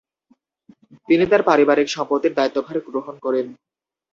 তিনি তার পারিবারিক সম্পত্তির দায়িত্বভার গ্রহণ করেন।